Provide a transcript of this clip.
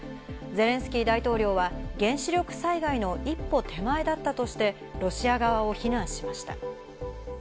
ゼレンスキー大統領は原子力災害の一歩手前だったとして、ロシア側を非難しました。